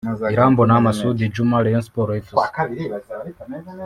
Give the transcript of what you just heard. Irambona Massoud Djuma (Rayon Sports Fc)